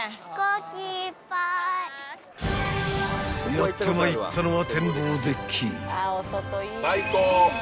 ［やってまいったのは］